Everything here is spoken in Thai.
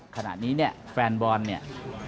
ขณะนี้เนี่ยแฟนบอลเนี่ย